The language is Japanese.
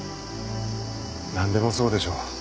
何でもそうでしょう。